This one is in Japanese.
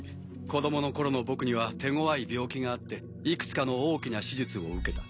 子供の頃の僕には手ごわい病気があっていくつかの大きな手術を受けた。